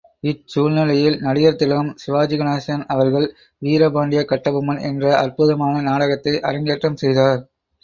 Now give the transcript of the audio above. இச்சூழ்நிலையில் நடிகர்திலகம் சிவாஜிகணேசன் அவர்கள் வீர பாண்டிய கட்டபொம்மன் என்ற அற்புதமான நாடகத்தை அரங்கேற்றம் செய்தார்.